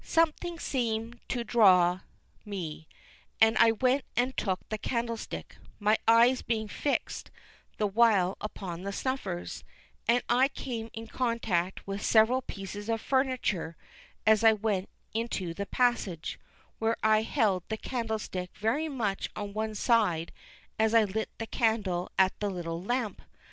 Something seemed to draw me, and I went and took the candlestick, my eyes being fixed the while upon the snuffers; and I came in contact with several pieces of furniture as I went into the passage, where I held the candlestick very much on one side as I lit the candle at the little lamp.